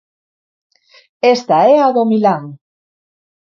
Esta é a do Milán.